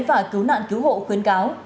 và cứu nạn cứu hộ khuyến cáo